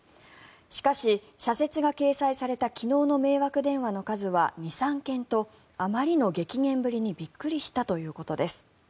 しかし、社説が掲載された昨日の迷惑電話の数は２３件とあまりの激減ぶりにびっくりしたということです。